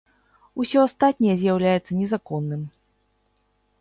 Усё астатняе з'яўляецца незаконным.